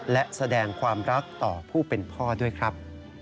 และแสดงความรักต่อผู้เป็นพ่อด้วยครับ